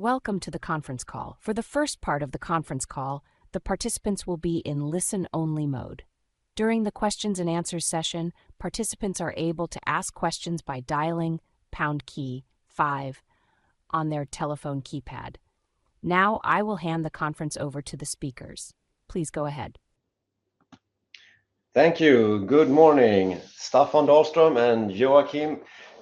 Welcome to the conference call. For the first part of the conference call, the participants will be in listen-only mode. During the question-and-answer session, participants are able to ask questions by dialing key five on their telephone keypad. Now, I will hand the conference over to the speakers. Please go ahead. Thank you. Good morning, Staffan Dahlström and Joakim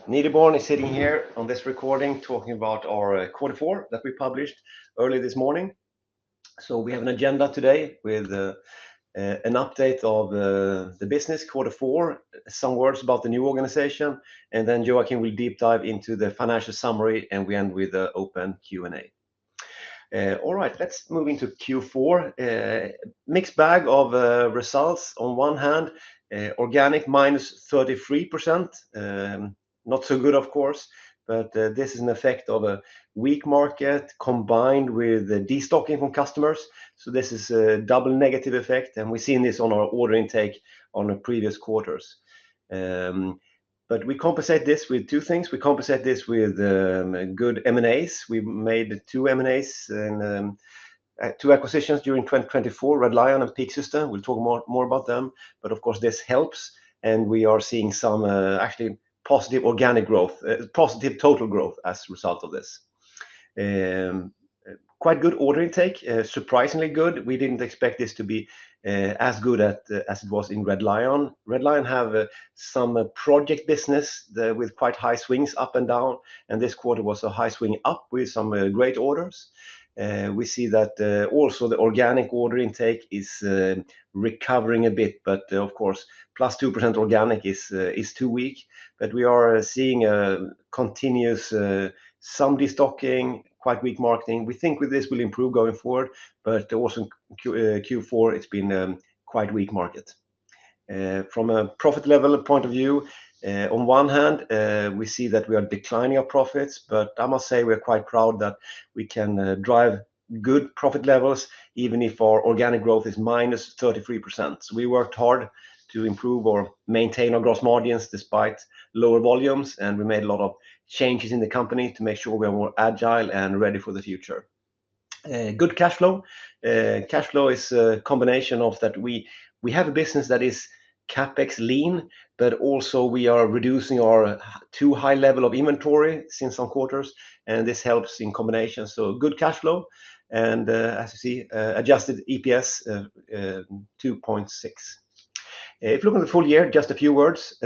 Nideborn is sitting here on this recording talking about our quarter four that we published early this morning. So we have an agenda today with an update of the business quarter four, some words about the new organization, and then Joakim will deep dive into the financial summary and we end with an open Q&A. All right, let's move into Q4. Mixed bag of results on one hand, organic minus 33%. Not so good, of course, but this is an effect of a weak market combined with the destocking from customers. So this is a double negative effect, and we've seen this on our order intake on the previous quarters. But we compensate this with two things. We compensate this with good M&As. We made two M&As, two acquisitions during 2024, Red Lion and PEAK-System. We'll talk more about them, but of course this helps, and we are seeing some actually positive organic growth, positive total growth as a result of this. Quite good order intake, surprisingly good. We didn't expect this to be as good as it was in Red Lion. Red Lion have some project business with quite high swings up and down, and this quarter was a high swing up with some great orders. We see that also the organic order intake is recovering a bit, but of course plus 2% organic is too weak. But we are seeing continuous some destocking, quite weak market. We think this will improve going forward, but also Q4 it's been quite weak market. From a profit level point of view, on one hand, we see that we are declining our profits, but I must say we are quite proud that we can drive good profit levels even if our organic growth is -33%. So we worked hard to improve or maintain our gross margins despite lower volumes, and we made a lot of changes in the company to make sure we are more agile and ready for the future. Good cash flow. Cash flow is a combination of that we have a business that is CapEx lean, but also we are reducing our too high level of inventory since some quarters, and this helps in combination. So good cash flow, and as you see, adjusted EPS 2.6. If you look at the full year, just a few words.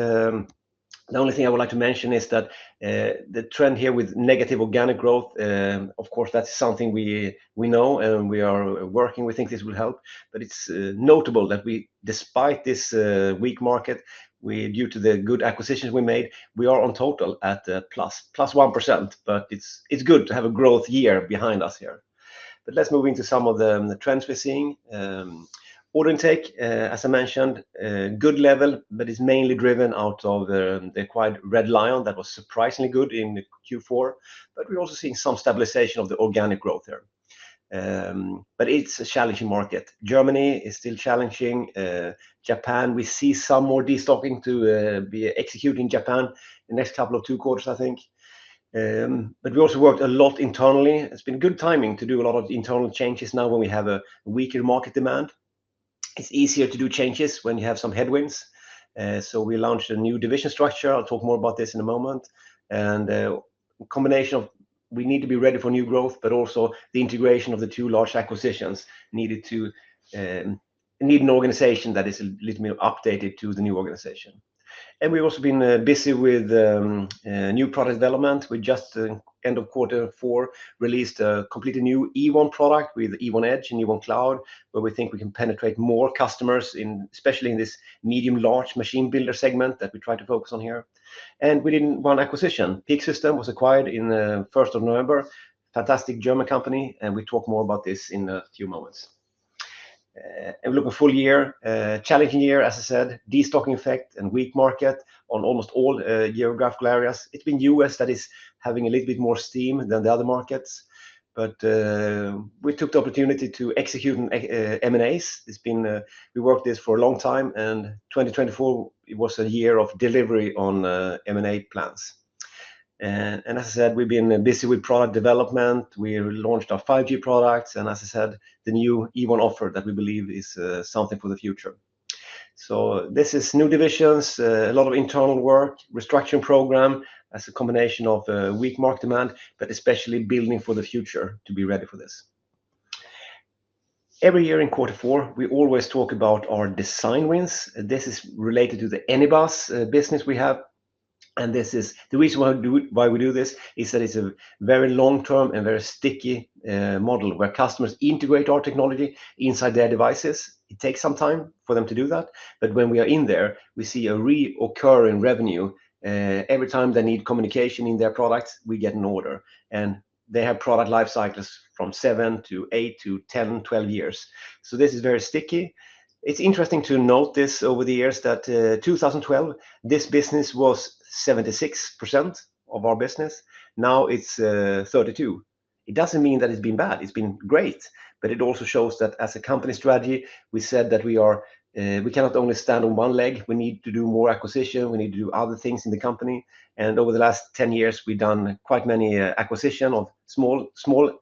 The only thing I would like to mention is that the trend here with negative organic growth. Of course that's something we know and we are working. We think this will help, but it's notable that despite this weak market, due to the good acquisitions we made, we are on total at plus 1%. But it's good to have a growth year behind us here. But let's move into some of the trends we're seeing. Order intake, as I mentioned, good level, but it's mainly driven by the Red Lion that was surprisingly good in Q4, but we're also seeing some stabilization of the organic growth here. But it's a challenging market. Germany is still challenging. Japan, we see some more destocking to be expected in Japan in the next couple of quarters, I think. But we also worked a lot internally. It's been good timing to do a lot of internal changes now when we have a weaker market demand. It's easier to do changes when you have some headwinds. So we launched a new division structure. I'll talk more about this in a moment. And combination of we need to be ready for new growth, but also the integration of the two large acquisitions needed to need an organization that is a little bit updated to the new organization. And we've also been busy with new product development. We just end of quarter four released a completely new Ewon product with Ewon Edge and Ewon Cloud, where we think we can penetrate more customers, especially in this medium-large machine builder segment that we try to focus on here. And we did one acquisition. PEAK-System was acquired in the first of November. Fantastic German company, and we talk more about this in a few moments, and we look at full year, challenging year, as I said, destocking effect and weak market on almost all geographical areas. It's been the U.S. that is having a little bit more steam than the other markets, but we took the opportunity to execute M&As. It's been, we worked this for a long time, and 2024 was a year of delivery on M&A plans, and as I said, we've been busy with product development. We launched our 5G products, and as I said, the new Ewon offer that we believe is something for the future, so this is new divisions, a lot of internal work, restructuring program as a combination of weak market demand, but especially building for the future to be ready for this. Every year in quarter four, we always talk about our design wins. This is related to the Anybus business we have, and this is the reason why we do this is that it's a very long-term and very sticky model where customers integrate our technology inside their devices. It takes some time for them to do that, but when we are in there, we see a recurring revenue. Every time they need communication in their products, we get an order, and they have product life cycles from seven to eight to 10, 12 years. So this is very sticky. It's interesting to note this over the years that 2012, this business was 76% of our business. Now it's 32%. It doesn't mean that it's been bad. It's been great, but it also shows that as a company strategy, we said that we cannot only stand on one leg. We need to do more acquisition. We need to do other things in the company. And over the last 10 years, we've done quite many acquisitions of small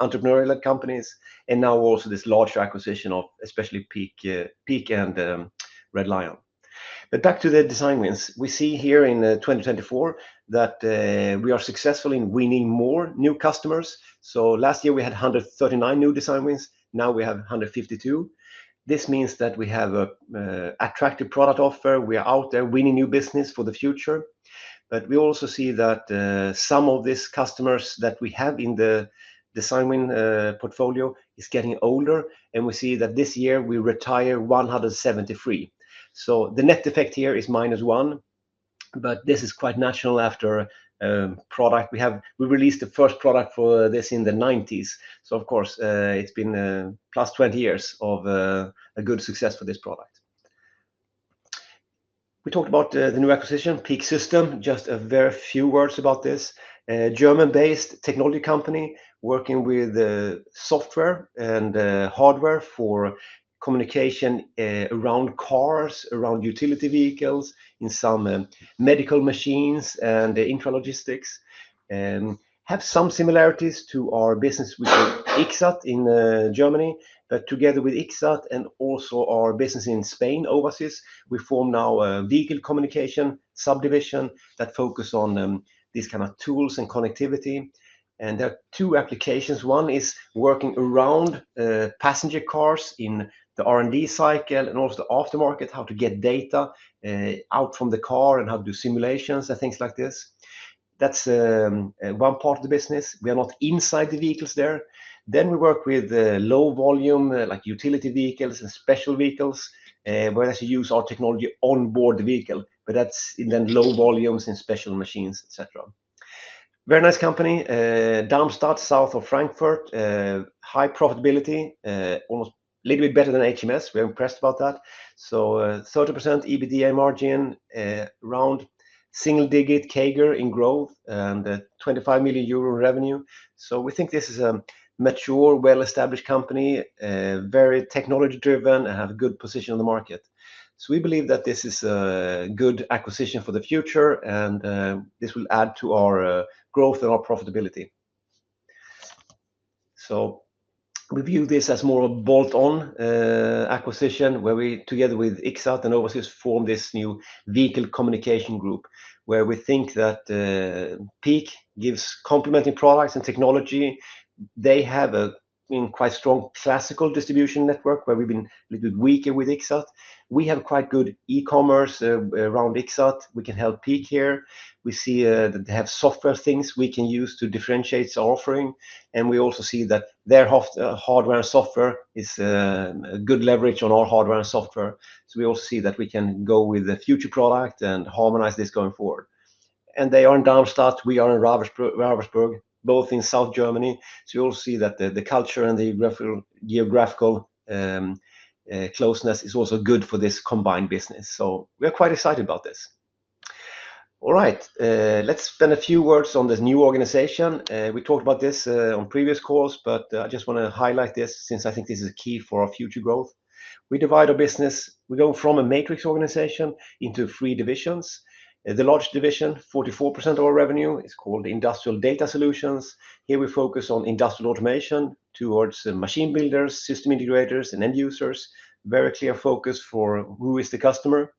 entrepreneurial companies, and now also this larger acquisition of especially PEAK-System and Red Lion. But back to the design wins. We see here in 2024 that we are successful in winning more new customers. So last year we had 139 new design wins. Now we have 152. This means that we have an attractive product offer. We are out there winning new business for the future. But we also see that some of these customers that we have in the design win portfolio are getting older, and we see that this year we retire 173. So the net effect here is minus one, but this is quite natural for a product. We released the first product for this in the 1990s. Of course, it's been plus 20 years of a good success for this product. We talked about the new acquisition, PEAK-System, just a very few words about this. German-based technology company working with software and hardware for communication around cars, around utility vehicles, in some medical machines and intralogistics. Have some similarities to our business with Ixxat in Germany, but together with Ixxat and also our business in Spain overseas, we form now a vehicle communication subdivision that focuses on these kinds of tools and connectivity. And there are two applications. One is working around passenger cars in the R&D cycle and also the aftermarket, how to get data out from the car and how to do simulations and things like this. That's one part of the business. We are not inside the vehicles there. Then we work with low volume like utility vehicles and special vehicles, whereas you use our technology onboard the vehicle, but that's in the low volumes and special machines, etc. Very nice company. Darmstadt, south of Frankfurt, high profitability, almost a little bit better than HMS. We're impressed about that, so 30% EBITDA margin, around single digit CAGR in growth and 25 million euro revenue, so we think this is a mature, well-established company, very technology-driven, and have a good position on the market. So we believe that this is a good acquisition for the future, and this will add to our growth and our profitability, so we view this as more of a bolt-on acquisition where we together with Ixxat and overseas form this new vehicle communication group where we think that PEAK gives complementary products and technology. They have been quite strong classical distribution network where we've been a little bit weaker with Ixxat. We have quite good e-commerce around Ixxat. We can help PEAK-System here. We see that they have software things we can use to differentiate our offering, and we also see that their hardware and software is good leverage on our hardware and software. So we also see that we can go with the future product and harmonize this going forward, and they are in Darmstadt. We are in Ravensburg, both in South Germany, so you'll see that the culture and the geographical closeness is also good for this combined business, so we're quite excited about this. All right, let's spend a few words on this new organization. We talked about this on previous calls, but I just want to highlight this since I think this is key for our future growth. We divide our business. We go from a matrix organization into three divisions. The large division, 44% of our revenue, is called Industrial Data Solutions. Here we focus on industrial automation towards machine builders, system integrators, and end users. Very clear focus for who is the customer.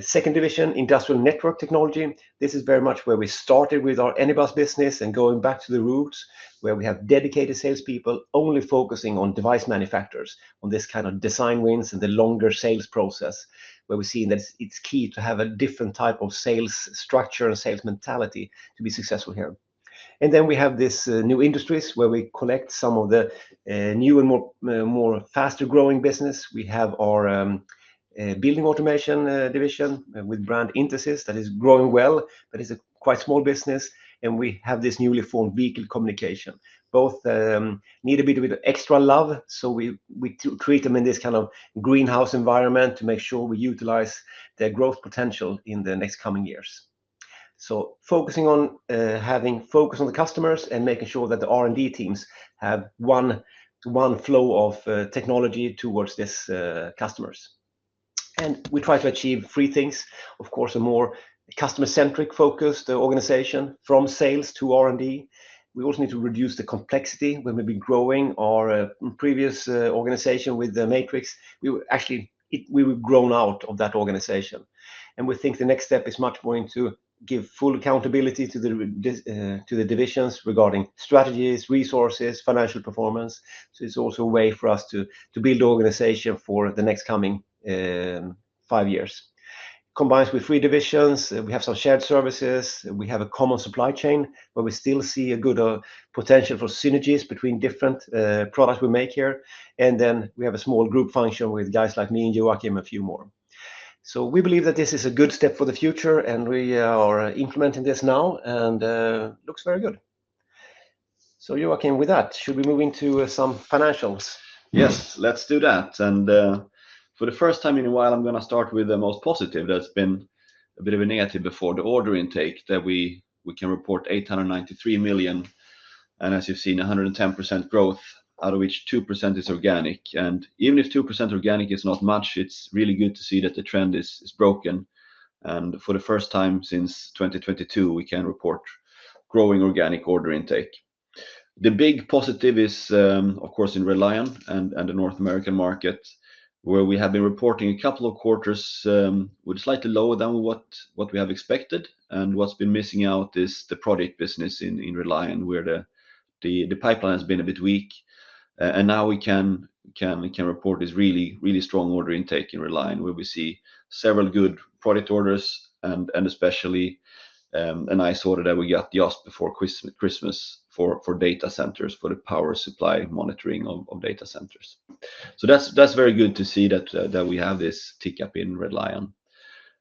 Second division, Industrial Network Technology. This is very much where we started with our Anybus business and going back to the roots where we have dedicated salespeople only focusing on device manufacturers on this kind of design wins and the longer sales process where we see that it's key to have a different type of sales structure and sales mentality to be successful here. And then we have this new industries where we collect some of the new and more faster growing business. We have our building automation division with brand Intesis that is growing well, but it's a quite small business. We have this newly formed vehicle communication. Both need a bit of extra love, so we treat them in this kind of greenhouse environment to make sure we utilize their growth potential in the next coming years. Focusing on having focus on the customers and making sure that the R&D teams have one flow of technology towards these customers. We try to achieve three things. Of course, a more customer-centric focus, the organization from sales to R&D. We also need to reduce the complexity when we've been growing our previous organization with the matrix. We were actually grown out of that organization. We think the next step is much more to give full accountability to the divisions regarding strategies, resources, financial performance. It's also a way for us to build the organization for the next coming five years. Combines with three divisions. We have some shared services. We have a common supply chain where we still see a good potential for synergies between different products we make here, and then we have a small group function with guys like me and Joakim and a few more, so we believe that this is a good step for the future, and we are implementing this now, and it looks very good. So Joakim, with that, should we move into some financials? Yes, let's do that. And for the first time in a while, I'm going to start with the most positive. There's been a bit of a negative before, the order intake that we can report 893 million. And as you've seen, 110% growth, out of which 2% is organic, and even if 2% organic is not much, it's really good to see that the trend is broken. For the first time since 2022, we can report growing organic order intake. The big positive is, of course, in Red Lion and the North American market, where we have been reporting a couple of quarters with slightly lower than what we have expected. What's been missing out is the product business in Red Lion, where the pipeline has been a bit weak. Now we can report this really strong order intake in Red Lion, where we see several good product orders and especially a nice order that we got just before Christmas for data centers, for the power supply monitoring of data centers. That's very good to see that we have this tick up in Red Lion.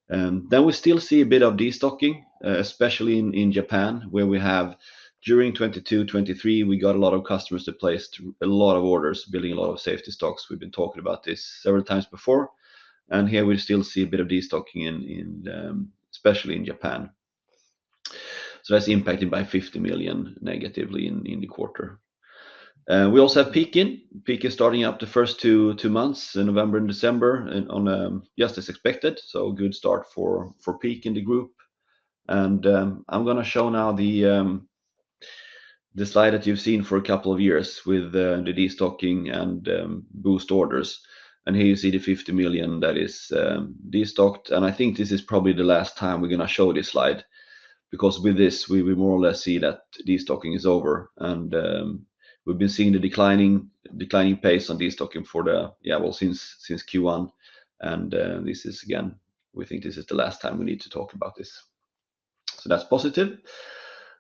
Then we still see a bit of destocking, especially in Japan, where we have during 2022, 2023, we got a lot of customers that placed a lot of orders, building a lot of safety stocks. We've been talking about this several times before. And here we still see a bit of destocking, especially in Japan. So that's impacted by 50 million negatively in the quarter. We also have PEAK in. PEAK is starting up the first two months, November and December, just as expected. So good start for PEAK in the group. And I'm going to show now the slide that you've seen for a couple of years with the destocking and boost orders. And here you see the 50 million that is destocked. I think this is probably the last time we're going to show this slide because with this, we more or less see that destocking is over. We've been seeing the declining pace on destocking for the, yeah, well, since Q1. This is, again, we think this is the last time we need to talk about this. That's positive.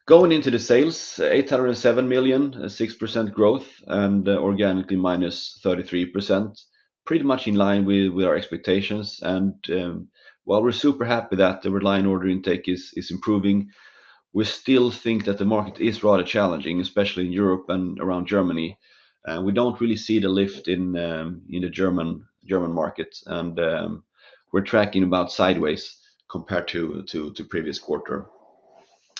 Going into the sales, 807 million, 6% growth, and organically -33%, pretty much in line with our expectations. While we're super happy that the Red Lion order intake is improving, we still think that the market is rather challenging, especially in Europe and around Germany. We don't really see the lift in the German market. We're tracking about sideways compared to previous quarter.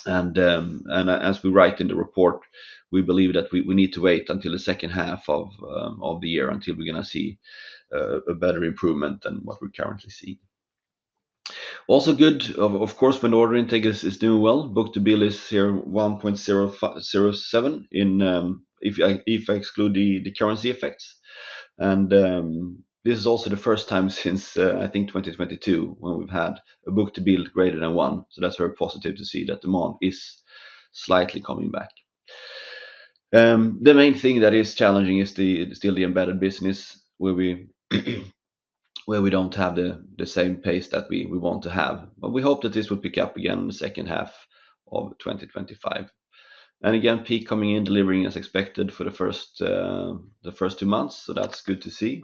As we write in the report, we believe that we need to wait until the second half of the year until we're going to see a better improvement than what we currently see. Also good, of course, when order intake is doing well. Book-to-bill is here 1.07 if I exclude the currency effects. This is also the first time since I think 2022 when we've had a book-to-bill greater than one. That's very positive to see that demand is slightly coming back. The main thing that is challenging is still the embedded business where we don't have the same pace that we want to have. We hope that this will pick up again in the second half of 2025. Again, PEAK coming in, delivering as expected for the first two months. That's good to see.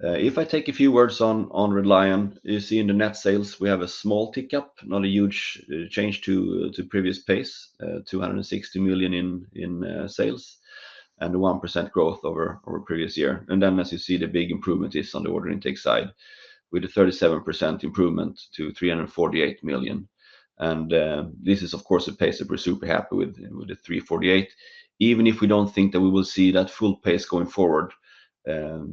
If I take a few words on Red Lion, you see in the net sales, we have a small tick up, not a huge change to previous pace, 260 million in sales and a 1% growth over the previous year and then, as you see, the big improvement is on the order intake side with a 37% improvement to 348 million, and this is, of course, a pace that we're super happy with, with the 348. Even if we don't think that we will see that full pace going forward,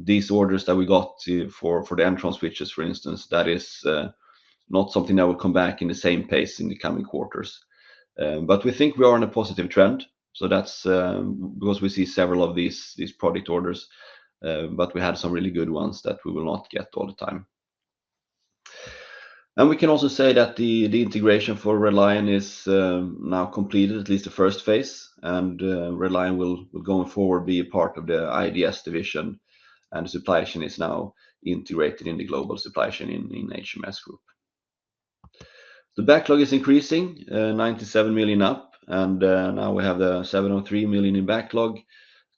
these orders that we got for the N-Tron switches, for instance, that is not something that will come back in the same pace in the coming quarters, but we think we are in a positive trend, so that's because we see several of these product orders, but we had some really good ones that we will not get all the time. We can also say that the integration for Red Lion is now completed, at least the first phase. Red Lion will going forward be a part of the IDS division, and the supply chain is now integrated in the global supply chain in HMS Group. The backlog is increasing, 97 million up, and now we have 703 million in backlog,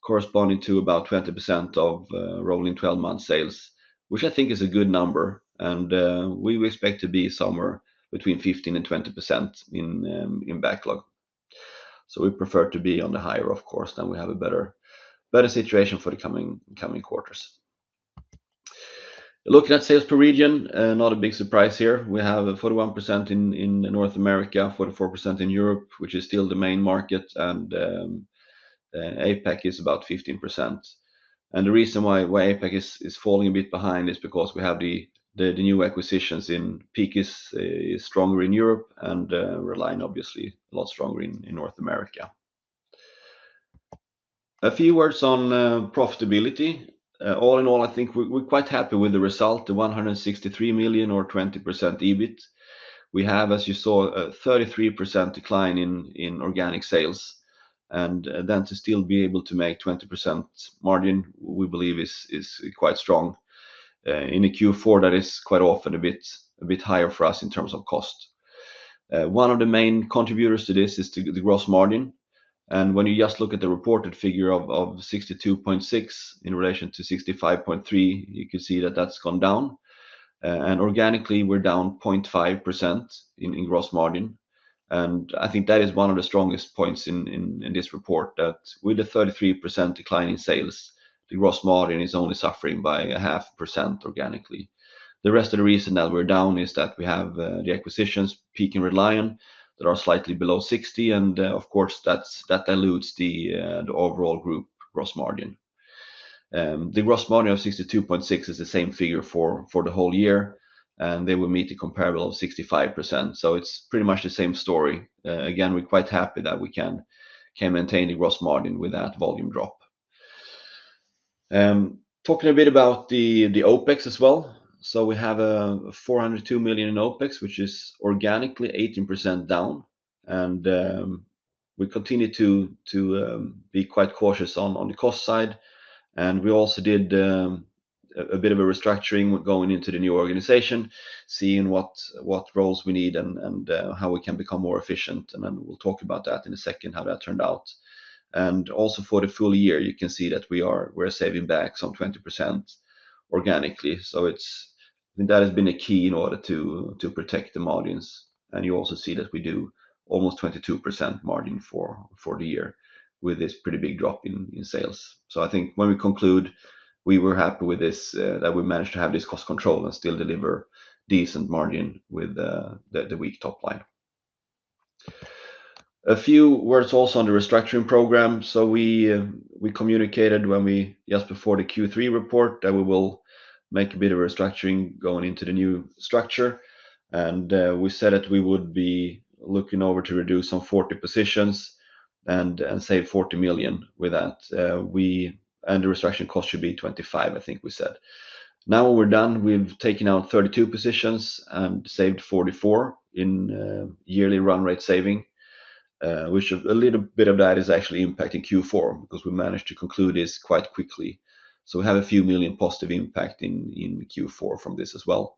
corresponding to about 20% of rolling 12-month sales, which I think is a good number. We expect to be somewhere between 15%-20% in backlog. We prefer to be on the higher, of course, then we have a better situation for the coming quarters. Looking at sales per region, not a big surprise here. We have 41% in North America, 44% in Europe, which is still the main market, and APAC is about 15%. The reason why APAC is falling a bit behind is because we have the new acquisitions in PEAK is stronger in Europe, and Red Lion, obviously, a lot stronger in North America. A few words on profitability. All in all, I think we're quite happy with the result, the 163 million or 20% EBIT. We have, as you saw, a 33% decline in organic sales. And then to still be able to make 20% margin, we believe is quite strong. In a Q4, that is quite often a bit higher for us in terms of cost. One of the main contributors to this is the gross margin. And when you just look at the reported figure of 62.6% in relation to 65.3%, you can see that that's gone down. And organically, we're down 0.5% in gross margin. I think that is one of the strongest points in this report that with the 33% decline in sales, the gross margin is only suffering by 0.5% organically. The rest of the reason that we're down is that we have the acquisitions, Red Lion, that are slightly below 60%. And of course, that dilutes the overall group gross margin. The gross margin of 62.6% is the same figure for the whole year, and they will meet the comparable of 65%. So it's pretty much the same story. Again, we're quite happy that we can maintain the gross margin with that volume drop. Talking a bit about the OpEx as well. So we have 402 million in OpEx, which is organically 18% down. And we continue to be quite cautious on the cost side. We also did a bit of a restructuring going into the new organization, seeing what roles we need and how we can become more efficient. Then we'll talk about that in a second, how that turned out. Also for the full year, you can see that we're saving back some 20% organically. That has been a key in order to protect the margins. You also see that we do almost 22% margin for the year with this pretty big drop in sales. I think when we conclude, we were happy with this, that we managed to have this cost control and still deliver decent margin with the weak top line. A few words also on the restructuring program. We communicated when we just before the Q3 report that we will make a bit of restructuring going into the new structure. We said that we would be looking over to reduce some 40 positions and save 40 million with that. The restructuring cost should be 25 million, I think we said. Now we're done. We've taken out 32 positions and saved 44 million in yearly run rate saving, which a little bit of that is actually impacting Q4 because we managed to conclude this quite quickly. We have a few million positive impact in Q4 from this as well.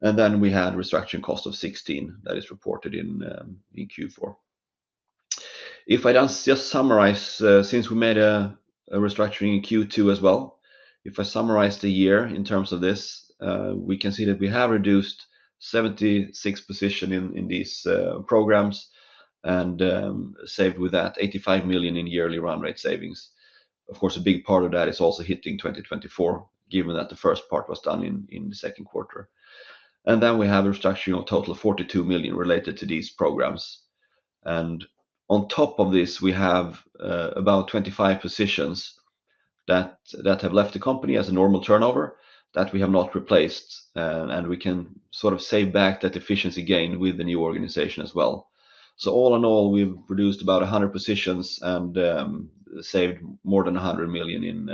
Then we had a restructuring cost of 16 million that is reported in Q4. If I just summarize, since we made a restructuring in Q2 as well, if I summarize the year in terms of this, we can see that we have reduced 76 positions in these programs and saved with that 85 million in yearly run rate savings. Of course, a big part of that is also hitting 2024, given that the first part was done in the second quarter. And then we have a restructuring total of 42 million related to these programs. And on top of this, we have about 25 positions that have left the company as a normal turnover that we have not replaced. And we can sort of save back that efficiency gain with the new organization as well. So all in all, we've produced about 100 positions and saved more than 100 million in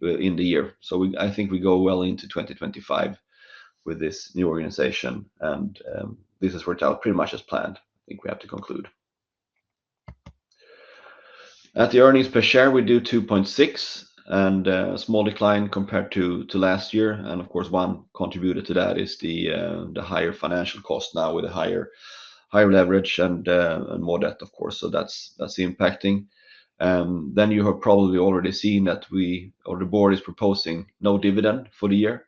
the year. So I think we go well into 2025 with this new organization. And this has worked out pretty much as planned. I think we have to conclude. At the earnings per share, we do 2.6 and a small decline compared to last year. Of course, one contributor to that is the higher financial cost now with a higher leverage and more debt, of course. So that's impacting. You have probably already seen that the board is proposing no dividend for the year.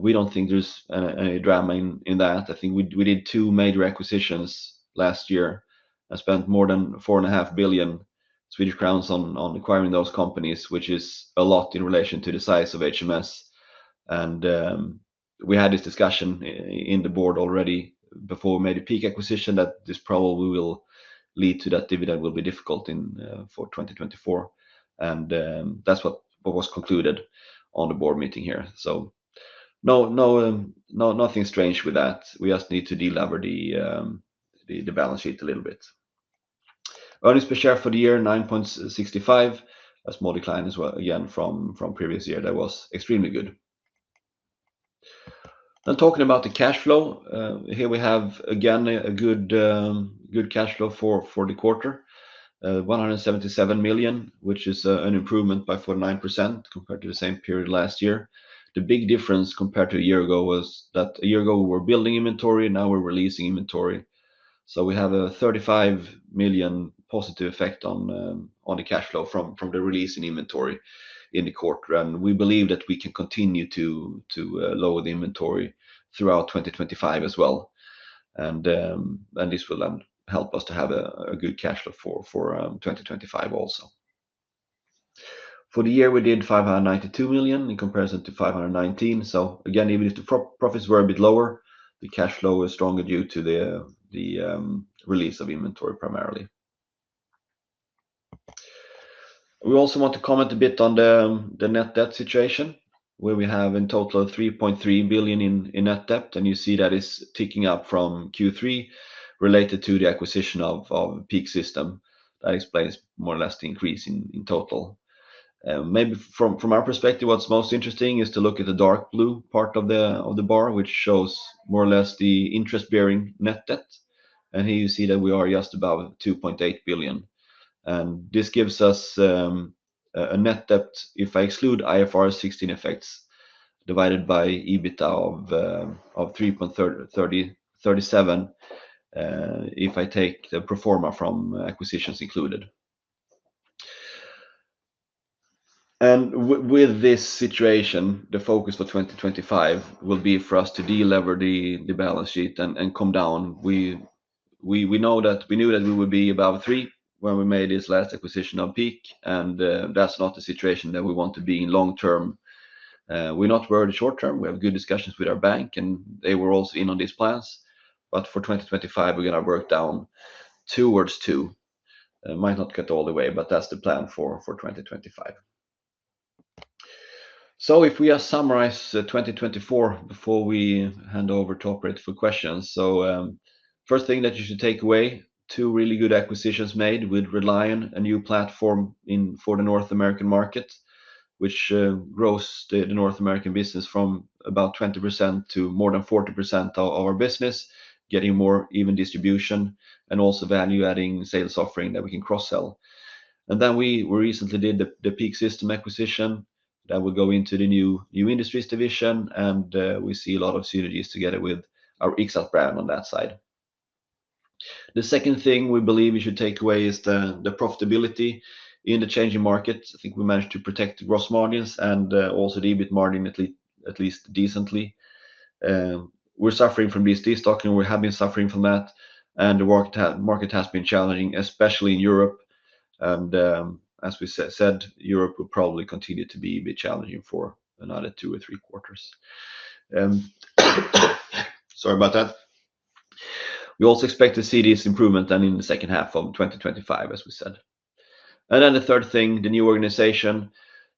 We don't think there's any drama in that. I think we did two major acquisitions last year. We spent more than 4.5 billion Swedish crowns on acquiring those companies, which is a lot in relation to the size of HMS. We had this discussion in the board already before we made a PEAK acquisition that this probably will lead to that dividend will be difficult for 2024. That's what was concluded on the board meeting here. Nothing strange with that. We just need to delever the balance sheet a little bit. Earnings per share for the year, 9.65, a small decline as well again from previous year that was extremely good. Now talking about the cash flow, here we have again a good cash flow for the quarter, 177 million, which is an improvement by 49% compared to the same period last year. The big difference compared to a year ago was that a year ago we were building inventory, now we're releasing inventory. So we have a 35 million positive effect on the cash flow from the releasing inventory in the quarter. And we believe that we can continue to lower the inventory throughout 2025 as well. And this will help us to have a good cash flow for 2025 also. For the year, we did 592 million in comparison to 519 million. Again, even if the profits were a bit lower, the cash flow was stronger due to the release of inventory primarily. We also want to comment a bit on the net debt situation, where we have in total 3.3 billion in net debt. And you see that is ticking up from Q3 related to the acquisition of PEAK-System. That explains more or less the increase in total. Maybe from our perspective, what's most interesting is to look at the dark blue part of the bar, which shows more or less the interest-bearing net debt. And here you see that we are just about 2.8 billion. And this gives us a net debt, if I exclude IFRS 16 effects, divided by EBITDA of 3.37, if I take the pro forma from acquisitions included. With this situation, the focus for 2025 will be for us to delever the balance sheet and come down. We knew that we would be above three when we made this last acquisition of PEAK. That's not the situation that we want to be in long term. We're not worried short term. We have good discussions with our bank, and they were also in on these plans. For 2025, we're going to work down towards two. Might not get all the way, but that's the plan for 2025. If we summarize 2024 before we hand over to the operator for questions, first thing that you should take away: two really good acquisitions made with Red Lion, a new platform for the North American market, which grows the North American business from about 20% to more than 40% of our business, getting more even distribution and also value-adding sales offering that we can cross-sell. Then we recently did the PEAK-System acquisition that will go into the new industries division, and we see a lot of synergies together with our Ixxat brand on that side. The second thing we believe we should take away is the profitability in the changing markets. I think we managed to protect the gross margins and also the EBIT margin at least decently. We are suffering from destocking, and we have been suffering from that. The market has been challenging, especially in Europe. As we said, Europe will probably continue to be a bit challenging for another two or three quarters. Sorry about that. We also expect to see this improvement then in the second half of 2025, as we said. Then the third thing, the new organization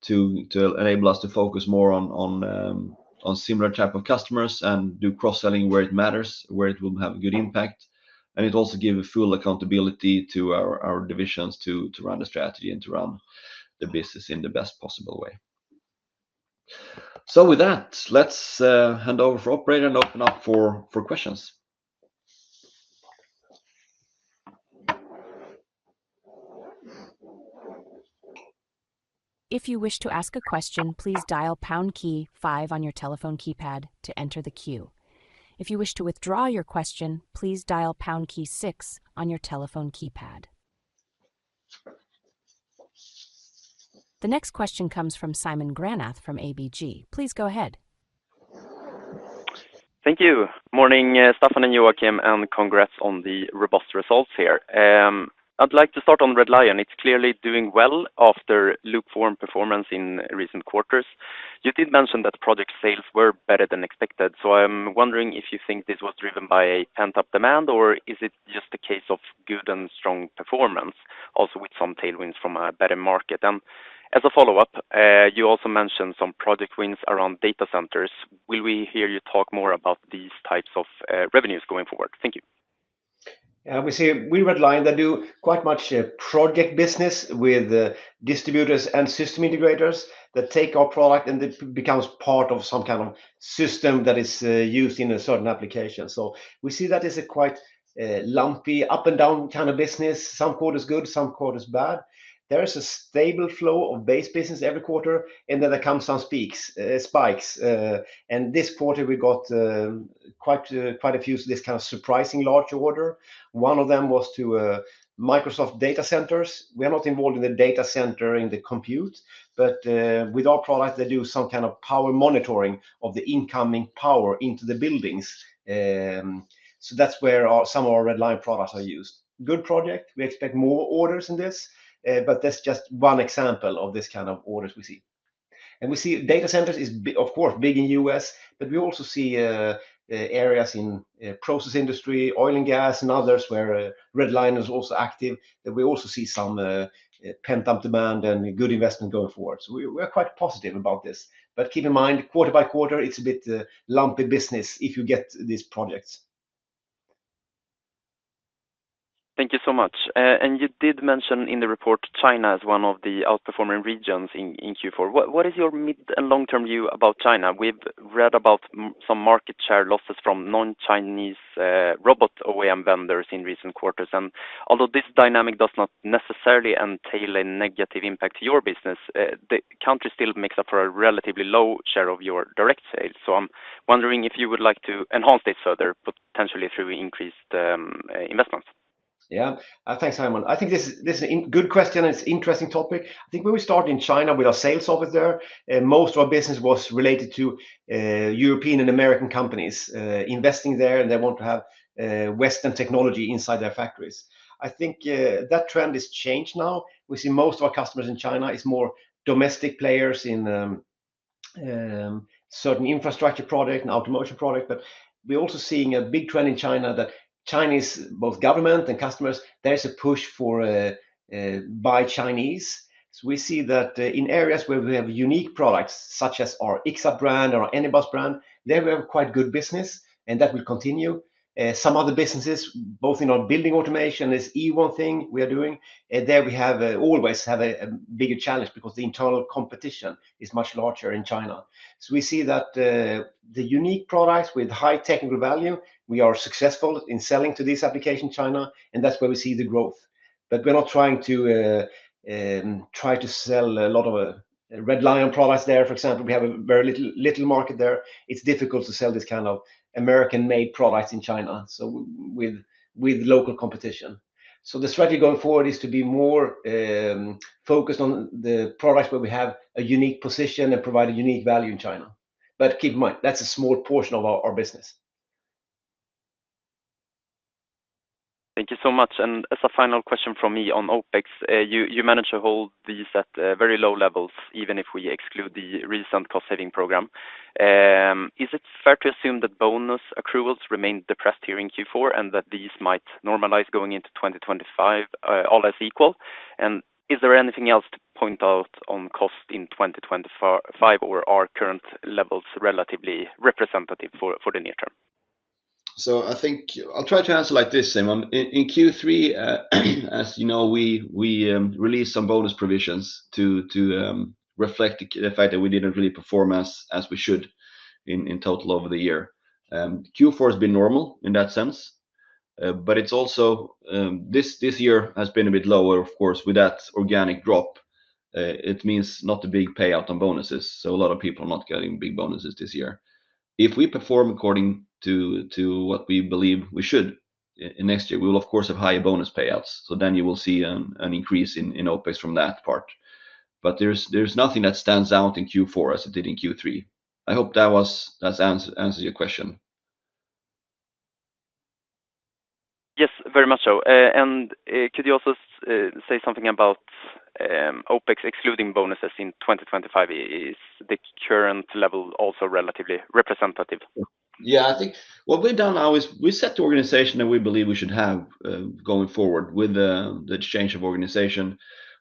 to enable us to focus more on similar type of customers and do cross-selling where it matters, where it will have a good impact. It also gives full accountability to our divisions to run the strategy and to run the business in the best possible way. With that, let's hand over to the operator and open up for questions. If you wish to ask a question, please dial pound key five on your telephone keypad to enter the queue. If you wish to withdraw your question, please dial pound key six on your telephone keypad. The next question comes from Simon Granath from ABG. Please go ahead. Thank you. Morning, Staffan and Joakim, and congrats on the robust results here. I'd like to start on Red Lion. It's clearly doing well after poor form performance in recent quarters. You did mention that project sales were better than expected. So I'm wondering if you think this was driven by a pent-up demand, or is it just a case of good and strong performance, also with some tailwinds from a better market? And as a follow-up, you also mentioned some project wins around data centers. Will we hear you talk more about these types of revenues going forward? Thank you. Yeah, we see at Red Lion that do quite much project business with distributors and system integrators that take our product and it becomes part of some kind of system that is used in a certain application. So we see that as a quite lumpy up and down kind of business. Some quarters good, some quarters bad. There is a stable flow of base business every quarter, and then there come some spikes. And this quarter, we got quite a few of this kind of surprising large order. One of them was to Microsoft data centers. We are not involved in the data center in the compute, but with our product, they do some kind of power monitoring of the incoming power into the buildings. So that's where some of our Red Lion products are used. Good project. We expect more orders in this, but that's just one example of this kind of orders we see, and we see data centers is, of course, big in the U.S., but we also see areas in the process industry, oil and gas, and others where Red Lion is also active. We also see some pent-up demand and good investment going forward, so we are quite positive about this, but keep in mind, quarter-by-quarter, it's a bit lumpy business if you get these projects. Thank you so much, and you did mention in the report China as one of the outperforming regions in Q4. What is your mid- and long-term view about China? We've read about some market share losses from non-Chinese robot OEM vendors in recent quarters. And although this dynamic does not necessarily entail a negative impact to your business, the country still makes up for a relatively low share of your direct sales. So I'm wondering if you would like to enhance this further, potentially through increased investments. Yeah, thanks, Simon. I think this is a good question. It's an interesting topic. I think when we started in China with our sales office there, most of our business was related to European and American companies investing there, and they want to have Western technology inside their factories. I think that trend has changed now. We see most of our customers in China are more domestic players in certain infrastructure products and automotive products. But we're also seeing a big trend in China that Chinese both government and customers, there is a push for by Chinese. We see that in areas where we have unique products, such as our Ixxat brand or our Anybus brand, there we have quite good business, and that will continue. Some other businesses, both in our building automation and Ewon thing we are doing. There we always have a bigger challenge because the intense competition is much larger in China. We see that the unique products with high technical value, we are successful in selling to this application in China, and that's where we see the growth. But we're not trying to sell a lot of Red Lion products there. For example, we have a very little market there. It's difficult to sell this kind of American-made products in China with local competition. The strategy going forward is to be more focused on the products where we have a unique position and provide a unique value in China. But keep in mind, that's a small portion of our business. Thank you so much. And as a final question from me on OpEx, you manage to hold these at very low levels, even if we exclude the recent cost-saving program. Is it fair to assume that bonus accruals remain depressed here in Q4 and that these might normalize going into 2025, all as equal? And is there anything else to point out on cost in 2025 or our current levels relatively representative for the near term? So I think I'll try to answer like this, Simon. In Q3, as you know, we released some bonus provisions to reflect the fact that we didn't really perform as we should in total over the year. Q4 has been normal in that sense. But this year has been a bit lower, of course, with that organic drop. It means not a big payout on bonuses. So a lot of people are not getting big bonuses this year. If we perform according to what we believe we should next year, we will, of course, have higher bonus payouts. So then you will see an increase in OpEx from that part. But there's nothing that stands out in Q4 as it did in Q3. I hope that answers your question. Yes, very much so. And could you also say something about OpEx excluding bonuses in 2025? Is the current level also relatively representative? Yeah, I think what we've done now is we set the organization that we believe we should have going forward with the change of organization.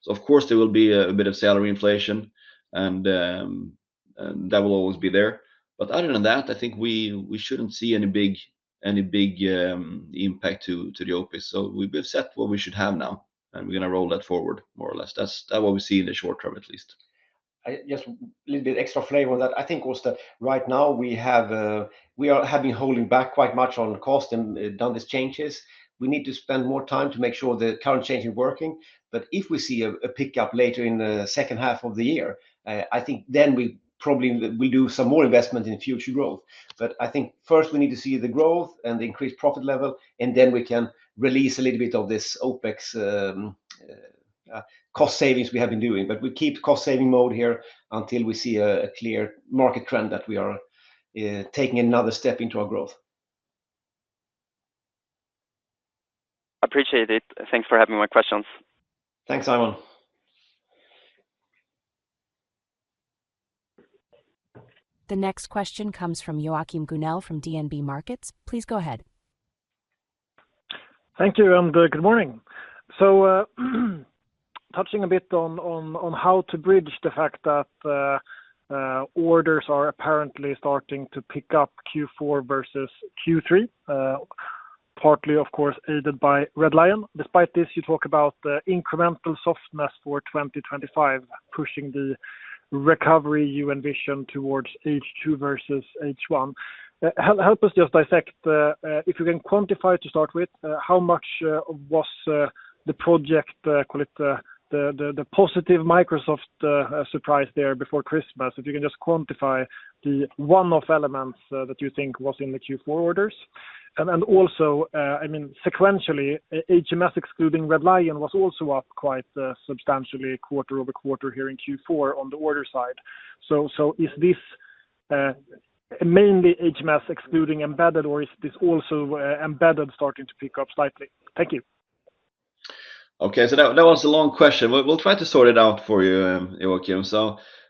Of course, there will be a bit of salary inflation, and that will always be there. But other than that, I think we shouldn't see any big impact to the OpEx. So we've set what we should have now, and we're going to roll that forward more or less. That's what we see in the short term, at least. Just a little bit extra flavor that I think was that right now we have been holding back quite much on cost and done these changes. We need to spend more time to make sure the current change is working. But if we see a pickup later in the second half of the year, I think then we probably will do some more investment in future growth. But I think first we need to see the growth and the increased profit level, and then we can release a little bit of this OpEx cost savings we have been doing. But we keep cost saving mode here until we see a clear market trend that we are taking another step into our growth. I appreciate it. Thanks for having my questions. Thanks, Simon. The next question comes from Joachim Gunell from DNB Markets. Please go ahead. Thank you, and good morning. So touching a bit on how to bridge the fact that orders are apparently starting to pick up Q4 versus Q3, partly, of course, aided by Red Lion. Despite this, you talk about incremental softness for 2025, pushing the recovery you envision towards H2 versus H1. Help us just dissect, if you can quantify to start with, how much was the project, the positive Microsoft surprise there before Christmas, if you can just quantify the one-off elements that you think was in the Q4 orders. And also, I mean, sequentially, HMS excluding Red Lion was also up quite substantially quarter over quarter here in Q4 on the order side. So is this mainly HMS excluding embedded, or is this also embedded starting to pick up slightly? Thank you. Okay, so that was a long question. We'll try to sort it out for you, Joachim.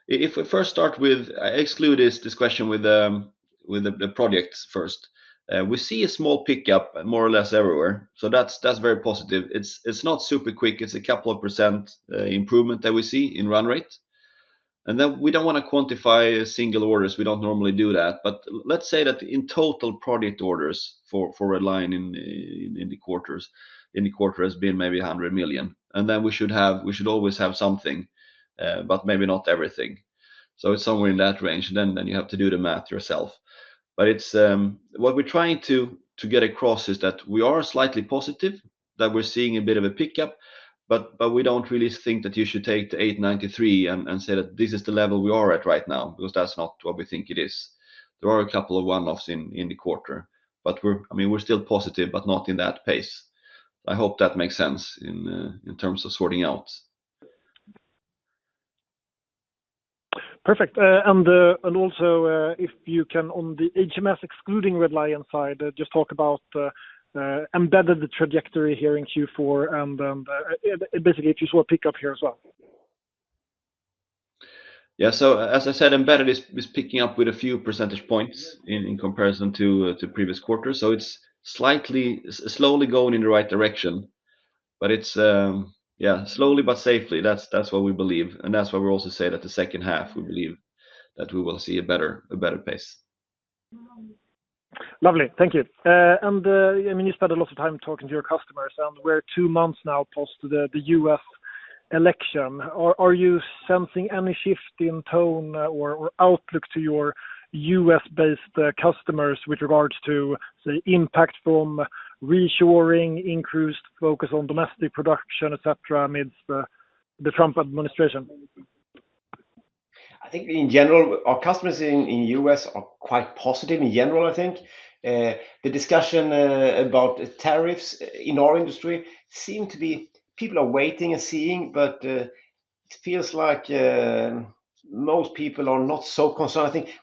If we first start with the projects first, we see a small pickup more or less everywhere. That's very positive. It's not super quick. It's a couple of percent improvement that we see in run rate. Then we don't want to quantify single orders. We don't normally do that. But let's say that in total project orders for Red Lion in the quarter has been maybe 100 million. Then we should always have something, but maybe not everything. So it's somewhere in that range. You have to do the math yourself. But what we're trying to get across is that we are slightly positive, that we're seeing a bit of a pickup, but we don't really think that you should take the 893 and say that this is the level we are at right now, because that's not what we think it is. There are a couple of one-offs in the quarter, but I mean, we're still positive, but not in that pace. I hope that makes sense in terms of sorting out. Perfect. And also, if you can, on the HMS excluding Red Lion side, just talk about embedded trajectory here in Q4 and basically if you saw a pickup here as well. Yeah, so as I said, embedded is picking up with a few percentage points in comparison to previous quarters. So it's slowly going in the right direction, but it's, yeah, slowly but safely. That's what we believe. That's why we also say that the second half, we believe that we will see a better pace. Lovely. Thank you. I mean, you spent a lot of time talking to your customers, and we're two months now post the U.S. election. Are you sensing any shift in tone or outlook to your U.S.-based customers with regards to, say, impact from reshoring, increased focus on domestic production, etc., amidst the Trump administration? I think in general, our customers in the U.S. are quite positive in general, I think. The discussion about tariffs in our industry seems to be people are waiting and seeing, but it feels like most people are not so concerned. I think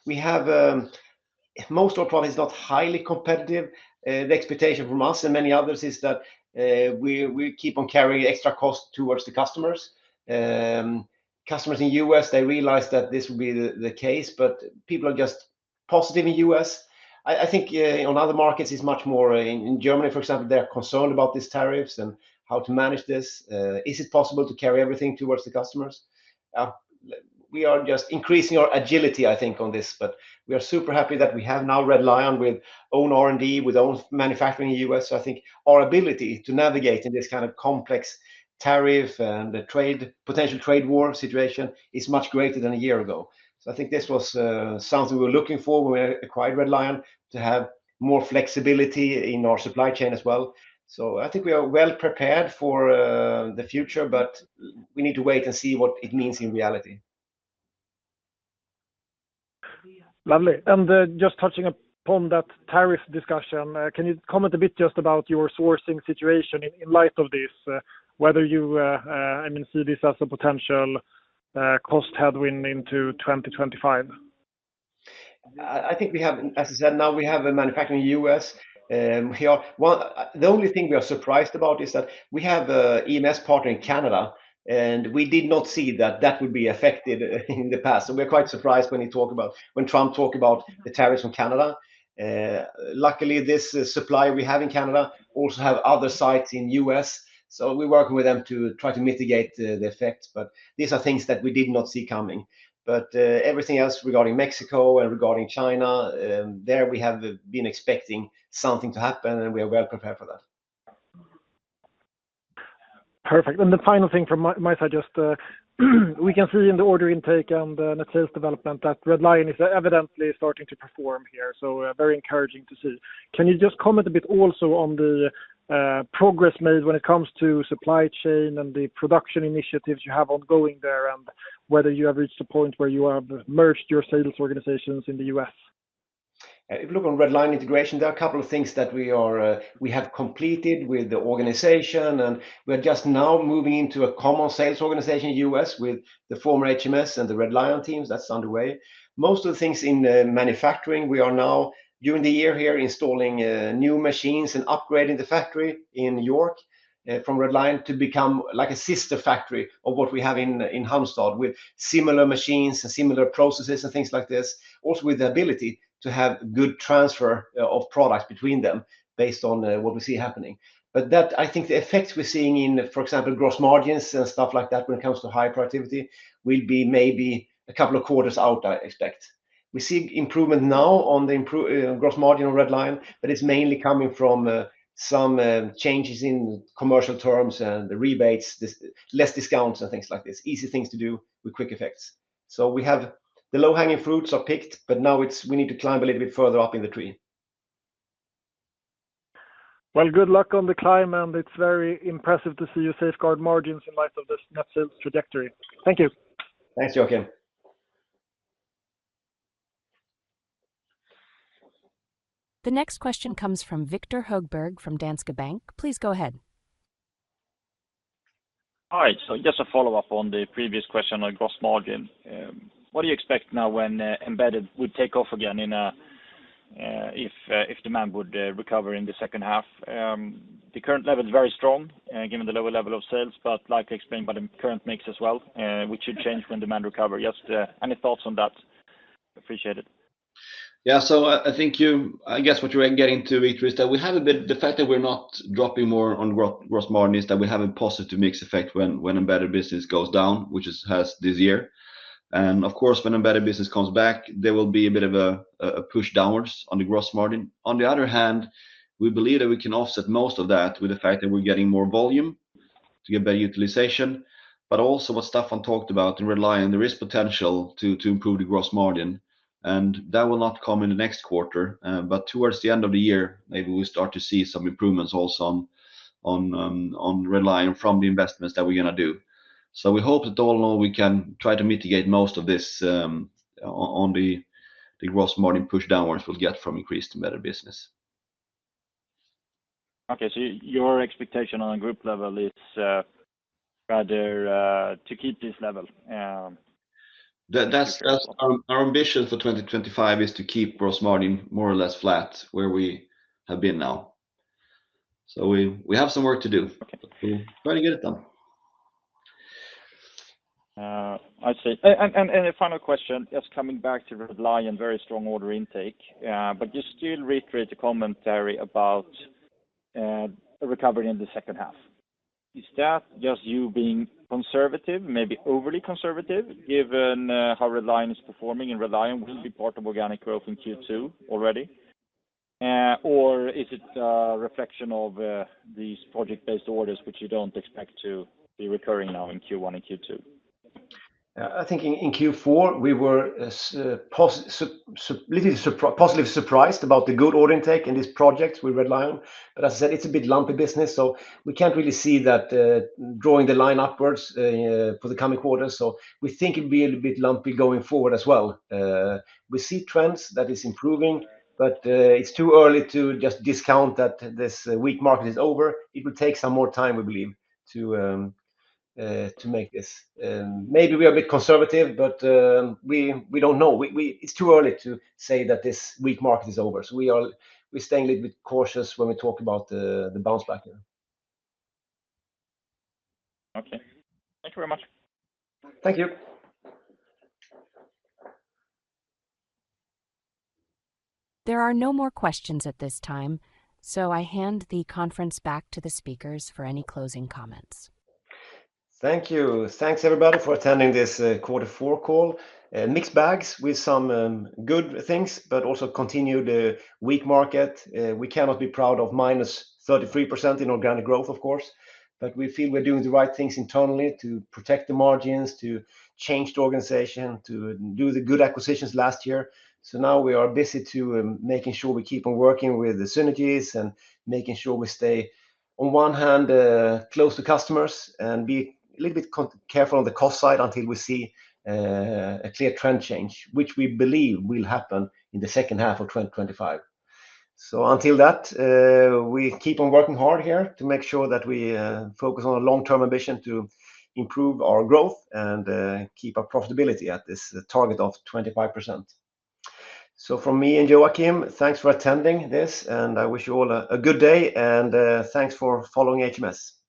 most of our product is not highly competitive. The expectation from us and many others is that we keep on carrying extra costs towards the customers. Customers in the US, they realize that this will be the case, but people are just positive in the US. I think on other markets, it's much more in Germany, for example, they're concerned about these tariffs and how to manage this. Is it possible to carry everything towards the customers? We are just increasing our agility, I think, on this, but we are super happy that we have now Red Lion with own R&D, with own manufacturing in the US. So I think our ability to navigate in this kind of complex tariff and potential trade war situation is much greater than a year ago. So I think this was something we were looking for when we acquired Red Lion to have more flexibility in our supply chain as well. So I think we are well prepared for the future, but we need to wait and see what it means in reality. Lovely. And just touching upon that tariff discussion, can you comment a bit just about your sourcing situation in light of this, whether you see this as a potential cost headwind into 2025? I think we have, as I said, now we have a manufacturing in the U.S. The only thing we are surprised about is that we have an EMS partner in Canada, and we did not see that that would be affected in the past. So we're quite surprised when he talked about when Trump talked about the tariffs from Canada. Luckily, this supply we have in Canada also has other sites in the U.S. So we're working with them to try to mitigate the effects, but these are things that we did not see coming. Everything else regarding Mexico and regarding China, there we have been expecting something to happen, and we are well prepared for that. Perfect. The final thing from my side, just we can see in the order intake and the sales development that Red Lion is evidently starting to perform here. Very encouraging to see. Can you just comment a bit also on the progress made when it comes to supply chain and the production initiatives you have ongoing there and whether you have reached the point where you have merged your sales organizations in the U.S.? If you look on Red Lion integration, there are a couple of things that we have completed with the organization, and we're just now moving into a common sales organization in the U.S. with the former HMS and the Red Lion teams. That's underway. Most of the things in manufacturing, we are now during the year here installing new machines and upgrading the factory in York from Red Lion to become like a sister factory of what we have in Halmstad with similar machines and similar processes and things like this, also with the ability to have good transfer of products between them based on what we see happening. But I think the effects we're seeing in, for example, gross margins and stuff like that when it comes to high productivity will be maybe a couple of quarters out, I expect. We see improvement now on the gross margin of Red Lion, but it's mainly coming from some changes in commercial terms and the rebates, less discounts and things like this. Easy things to do with quick effects. So the low-hanging fruits are picked, but now we need to climb a little bit further up in the tree. Well, good luck on the climb, and it's very impressive to see you safeguard margins in light of this net sales trajectory. Thank you. Thanks, Joachim. The next question comes from Viktor Högberg from Danske Bank. Please go ahead. Hi. So just a follow-up on the previous question on gross margin. What do you expect now when embedded would take off again if demand would recover in the second half? The current level is very strong given the lower level of sales, but like I explained by the current mix as well, which should change when demand recovers. Just any thoughts on that? Appreciate it. Yeah, so I think, I guess what you were getting to, Victor, is that we have a bit of the fact that we're not dropping more on gross margin is that we have a positive mix effect when embedded business goes down, which it has this year. And of course, when embedded business comes back, there will be a bit of a push downwards on the gross margin. On the other hand, we believe that we can offset most of that with the fact that we're getting more volume to get better utilization. But also what Staffan talked about in Red Lion, there is potential to improve the gross margin, and that will not come in the next quarter, but towards the end of the year, maybe we start to see some improvements also on Red Lion from the investments that we're going to do. So we hope that all in all we can try to mitigate most of this on the gross margin push downwards we'll get from increased embedded business. Okay, so your expectation on a group level is rather to keep this level? Our ambition for 2025 is to keep gross margin more or less flat where we have been now. So we have some work to do, but we're trying to get it done. I see. And a final question, just coming back to Red Lion, very strong order intake, but you still reiterate the commentary about recovery in the second half. Is that just you being conservative, maybe overly conservative, given how Red Lion is performing and Red Lion will be part of organic growth in Q2 already? Or is it a reflection of these project-based orders which you don't expect to be recurring now in Q1 and Q2? I think in Q4 we were a little bit positively surprised about the good order intake in this project with Red Lion. But as I said, it's a bit lumpy business, so we can't really see that drawing the line upwards for the coming quarter. So we think it will be a little bit lumpy going forward as well. We see trends that are improving, but it's too early to just discount that this weak market is over. It will take some more time, we believe, to make this. Maybe we are a bit conservative, but we don't know. It's too early to say that this weak market is over. So we're staying a little bit cautious when we talk about the bounce back here. Okay. Thank you very much. Thank you. There are no more questions at this time, so I hand the conference back to the speakers for any closing comments. Thank you. Thanks, everybody, for attending this Quarter 4 call. Mixed bags with some good things, but also continued weak market. We cannot be proud of minus 33% in organic growth, of course, but we feel we're doing the right things internally to protect the margins, to change the organization, to do the good acquisitions last year. So now we are busy making sure we keep on working with the synergies and making sure we stay, on one hand, close to customers and be a little bit careful on the cost side until we see a clear trend change, which we believe will happen in the second half of 2025. So until that, we keep on working hard here to make sure that we focus on a long-term ambition to improve our growth and keep our profitability at this target of 25%. So from me and Joakim, thanks for attending this, and I wish you all a good day, and thanks for following HMS.